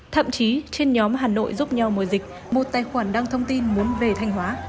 thậm chí trên nhóm hà nội giúp nhau mùa dịch một tài khoản đăng thông tin muốn về thanh hóa